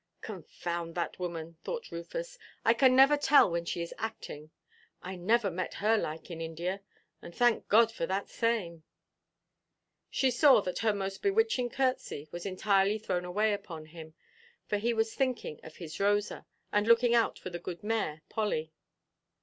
"Confound that woman," thought Rufus, "I can never tell when she is acting. I never met her like in India. And thank God for that same." She saw that her most bewitching curtsey was entirely thrown away upon him; for he was thinking of his Rosa, and looking out for the good mare, Polly.